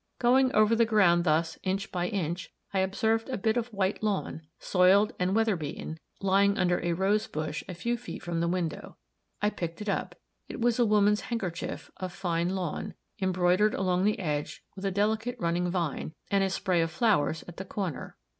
Going over the ground thus, inch by inch, I observed a bit of white lawn, soiled and weather beaten, lying under a rose bush a few feet from the window. I picked it up. It was a woman's handkerchief, of fine lawn, embroidered along the edge with a delicate running vine, and a spray of flowers at the corner.